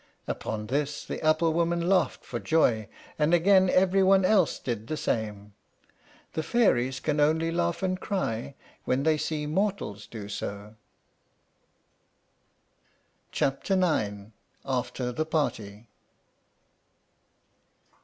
Upon this the apple woman laughed for joy, and again every one else did the same. The fairies can only laugh and cry when they see mortals do so. CHAPTER IX. AFTER THE PARTY.